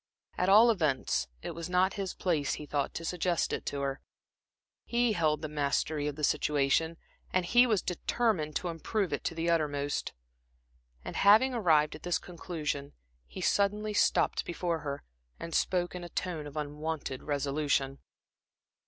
At all events, it was not his place, he thought, to suggest it to her. He held the mastery of the situation, and he was determined to improve it to the uttermost. And having arrived at this conclusion, he suddenly stopped before her and spoke in a tone of unwonted resolution.